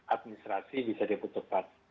administrasi bisa diputuskan